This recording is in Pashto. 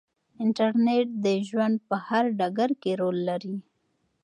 انټرنیټ د ژوند په هر ډګر کې رول لري.